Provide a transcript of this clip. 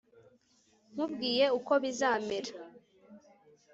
nkubwiye uko bizamera